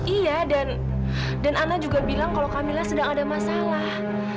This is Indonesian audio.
iya dan ana juga bilang kalau kami lihat sedang ada masalah